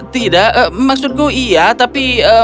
tidak maksudku iya tapi